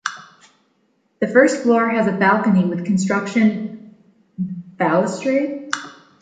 The first floor has a balcony with construction balustrade.